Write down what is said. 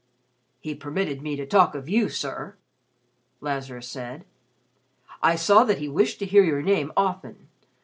"He permitted me to talk of you, sir," Lazarus said. "I saw that he wished to hear your name often.